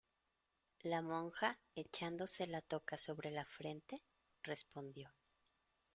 la monja, echándose la toca sobre la frente , respondió: